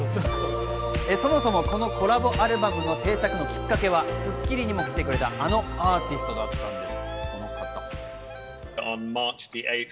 そもそもこのコラボアルバムの制作のきっかけは『スッキリ』にも来てくれた、あのアーティストだったんです。